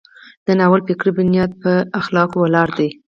د ناول فکري بنیاد په اخلاقو ولاړ دی.